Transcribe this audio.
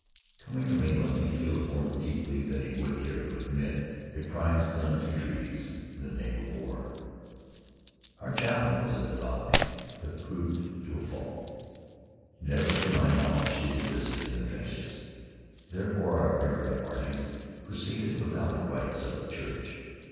Coming from England, he feels more deeply than he would care to admit the crimes done to trees in the name of war. Our chaplain was a devout man, but prudent to a fault. Never, to my knowledge, did he visit us in the trenches. Therefore our burial parties proceeded without the rites of the Church.